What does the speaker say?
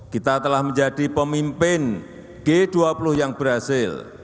kita telah menjadi pemimpin g dua puluh yang berhasil